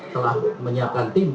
telah menyiapkan tim